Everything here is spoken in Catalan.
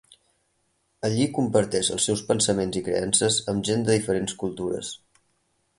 Allí comparteix els seus pensaments i creences amb gents de diferents cultures.